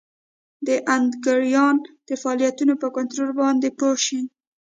د اندوکراین د فعالیتونو په کنترول باندې پوه شئ.